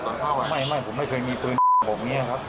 ก่อนเข้าไปไม่ไม่ผมไม่เคยมีปืนผมเนี้ยครับ